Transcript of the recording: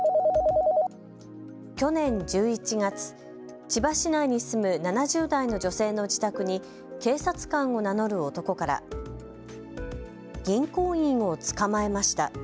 去年１１月、千葉市内に住む７０代の女性の自宅に警察官を名乗る男から銀行員を捕まえました。